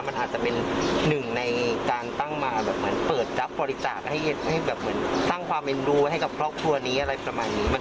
มันอาจจะเป็นหนึ่งในการตั้งมาเปิดจับปฏิจาติให้สร้างความเร็นดูให้กับครอบครัวนี้อะไรประมาณนี้